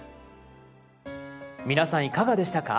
皆さんいかがでしたか？